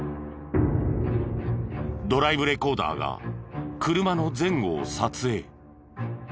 ドライブレコーダーが車の前後を撮影。